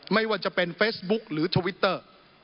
ไม่ว่าจะเป็นเฟซบุ๊กหรือทวิตเตอร์